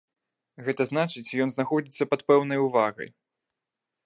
Гэта значыць ён знаходзіцца пад пэўнай увагай.